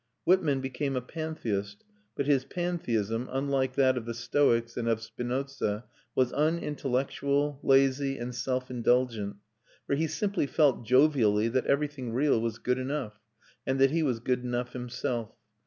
Whitman became a pantheist; but his pantheism, unlike that of the Stoics and of Spinoza, was unintellectual, lazy, and self indulgent; for he simply felt jovially that everything real was good enough, and that he was good enough himself.